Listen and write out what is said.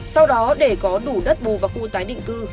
sau đó để có đủ đất bù vào khu tái định cư